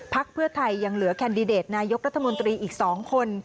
เพื่อไทยยังเหลือแคนดิเดตนายกรัฐมนตรีอีก๒คน